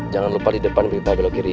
jangan lupa di depan berita belok kiri ya